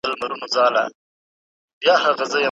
که انلاین درس وي نو راتلونکی نه خرابیږي.